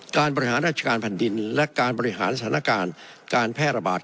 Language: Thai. บริหารราชการแผ่นดินและการบริหารสถานการณ์การแพร่ระบาด